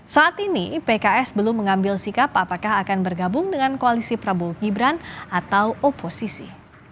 saat ini pks belum mengambil sikap apakah akan bergabung dengan koalisi prabowo gibran atau oposisi